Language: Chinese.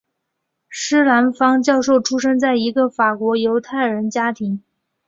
施兰芳教授出生在一个法国犹太人家庭。